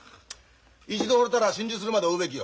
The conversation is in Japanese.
一度ほれたら心中するまで追うべきよ。